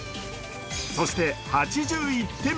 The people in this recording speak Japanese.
そして８１手目